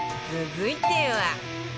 続いては